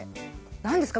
何ですか？